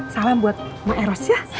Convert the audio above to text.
salam buat maeros ya